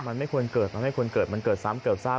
มันไม่ควรเกิดมันไม่ควรเกิดมันเกิดซ้ำเกิดทราบ